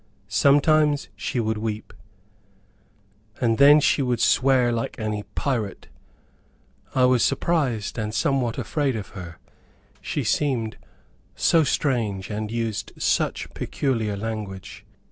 Sometimes she would weep, and then she would swear like any pirate. I was surprised and somewhat afraid of her, she seemed so strange and used such peculiar language.